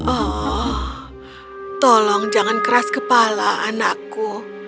oh tolong jangan keras kepala anakku